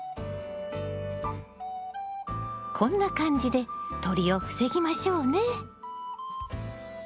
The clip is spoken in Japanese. こんな感じで鳥を防ぎましょうね。